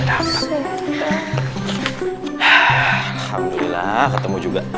alhamdulillah ketemu juga